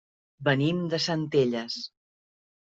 Venim de Centelles.